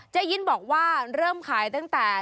ยินบอกว่าเริ่มขายตั้งแต่